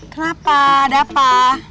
kenapa ada apa